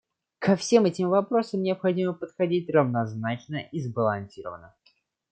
Ко всем этим вопросам необходимо подходить равнозначно и сбалансированно.